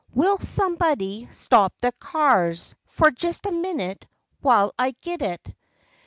Will somebody stop the cars for Jest a minnit, while I git it?